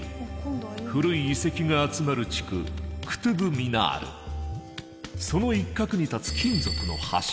古い遺跡が集まる地区その一角に立つ金属の柱。